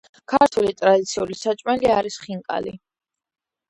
ქართული ტრადიციული საჭმელი არის ხინკალი